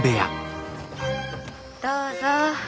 どうぞ。